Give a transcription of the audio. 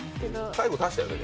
最後足したよね。